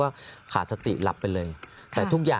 สามารถรู้ได้เลยเหรอคะ